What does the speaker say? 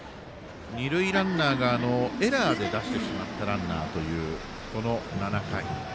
二塁ランナーがエラーで出してしまったランナーというこの７回。